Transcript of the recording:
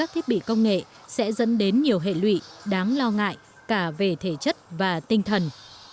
các thiết bị công nghệ sẽ dẫn đến nhiều hệ lụy đáng lo ngại cả về thể chất và tinh thần